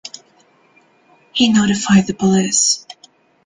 He notified the police.